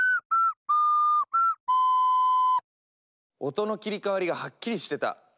音の切り替わりがはっきりしてた。